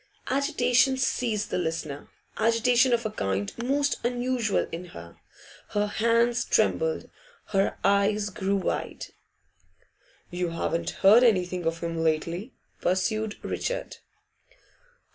Agitation seized the listener, agitation of a kind most unusual in her. Her hands trembled, her eyes grew wide. 'You haven't heard anything of him lately?' pursued Richard.